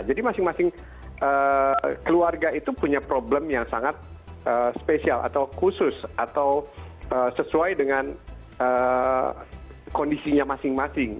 jadi masing masing keluarga itu punya problem yang sangat spesial atau khusus atau sesuai dengan kondisinya masing masing